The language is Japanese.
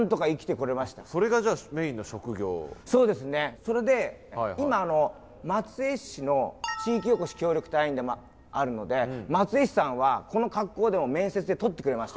それで今松江市の地域おこし協力隊員でもあるので松江市さんはこの格好でも面接で採ってくれました。